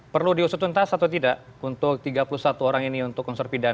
perlu diusut untas atau tidak untuk tiga puluh satu orang ini untuk unsur pidana